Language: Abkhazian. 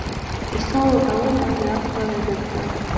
Исоур ҟалоит амҩа ақәлараз адҵа.